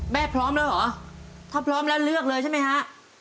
พร้อมแล้วเหรอถ้าพร้อมแล้วเลือกเลยใช่ไหมฮะ